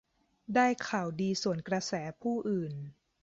ได้ข่าวดีสวนกระแสผู้อื่น